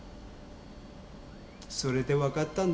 それで分かったんです。